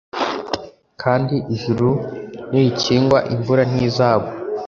kandi ijuru nirikingwa imvura ntizagwa